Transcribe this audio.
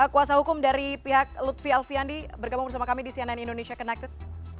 kuasa hukum dari pihak lutfi alfiandi bergabung bersama kami di cnn indonesia connected